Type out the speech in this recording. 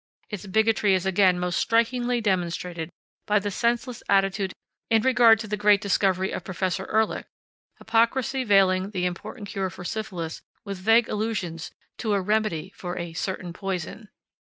Its bigotry is again most strikingly demonstrated by the senseless attitude in regard to the great discovery of Prof. Ehrlich, hypocrisy veiling the important cure for syphilis with vague allusions to a remedy for "a certain poison."